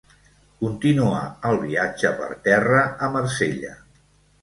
Continuà el viatge per terra a Marsella.